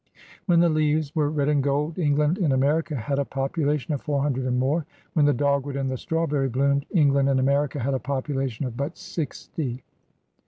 When the leaves were red and gold, England in America had a population of four himdred and more. When the dogwood and the strawberry bloomed, England in America had a population of but sixty.